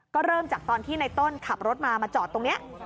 ก็เริ่มจากตอนที่ในต้นขับรถมามาจอดตรงนี้